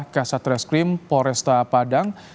kasat reskrim poresta padang